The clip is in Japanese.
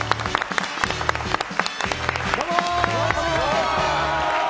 どうもー！